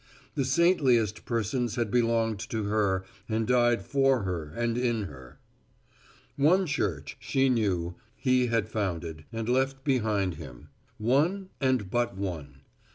The saintliest persons had belonged to her and died for her and in her. One Church, she knew, He had founded, and left behind Him. One and but one.